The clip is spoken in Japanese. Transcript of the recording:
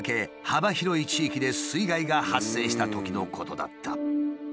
幅広い地域で水害が発生したときのことだった。